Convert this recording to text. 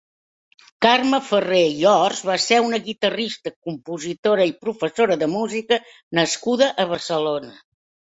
Carme Farré i Ors va ser una guitarrista, compositora i professora de música nascuda a Barcelona.